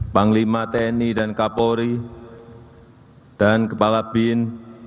panglima tni dan kapolri dan kepala bin